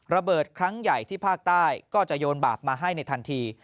ระเบิดครั้งใหญ่ที่ภาคใต้ก็จะโยนบาปมาให้ในทันที